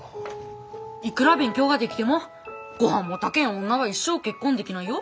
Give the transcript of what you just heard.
いくら勉強ができてもごはんも炊けん女は一生結婚できないよ。